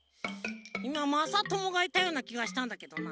いままさともがいたようなきがしたんだけどな。